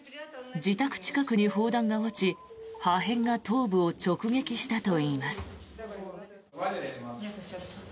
自宅近くに砲弾が落ち、破片が頭部を直撃したといいます。